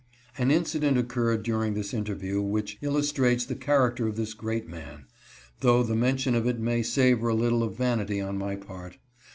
An incident occurred during this interview which illus trates the character of this great man, though the men tion of it may savor a little of vanity on my part.